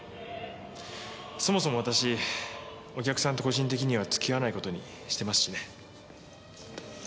そもそも私お客さんと個人的には付き合わないことにしてますしね。